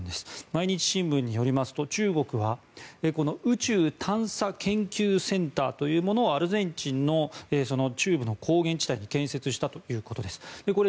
毎日新聞によりますと、中国は宇宙探査研究センターというものをアルゼンチンの中部の高原地帯に建設したということです。